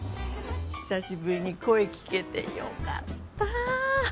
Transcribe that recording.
久しぶりに声聞けて良かったぁ。